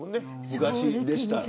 昔でしたら。